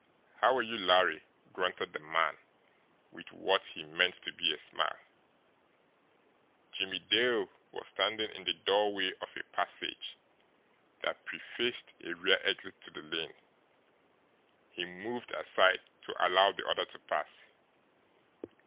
"How're you, Larry?" grunted the man, with what he meant to be a smile. Jimmie Dale was standing in the doorway of a passage that prefaced a rear exit to the lane. He moved aside to allow the other to pass.